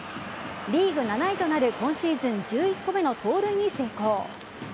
リーグ７位となる今シーズン１１個目の盗塁に成功。